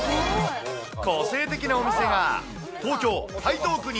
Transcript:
個性的なお店が、東京・台東区に。